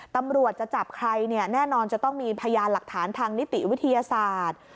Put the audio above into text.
ตำรวจจะจับใครเนี่ยแน่นอนจะต้องมีพยานหลักฐานทางนิติวิทยาศาสตร์